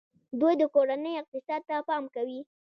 دوی د کورنۍ اقتصاد ته پام کوي.